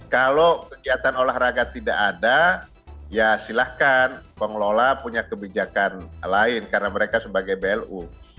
kalau kegiatan olahraga tidak ada ya silahkan pengelola punya kebijakan lain karena mereka sebagai blu